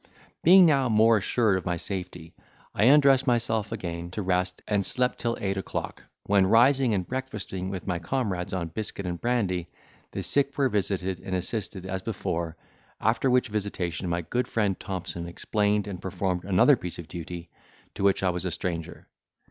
Being now more assured of my safety, I undressed myself again to rest, and slept till eight o'clock, when rising, and breakfasting with my comrades on biscuit and brandy, the sick were visited and assisted as before; after which visitation my good friend Thompson explained and performed another piece of duty, to which I was a stranger.